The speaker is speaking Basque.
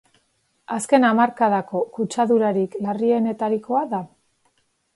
Azken hamarkadako kutsadurarik larrienetarikoa da.